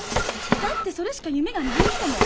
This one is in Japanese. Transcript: だってそれしか夢がないんだもん。